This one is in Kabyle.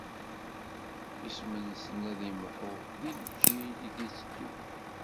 Isem-nsen ad imḥu di lǧil i d-itteddun.